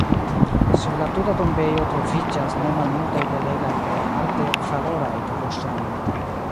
Sur la tuta tombejo troviĝas ne malmultaj belegaj kaj arte valoraj tomboŝtonoj.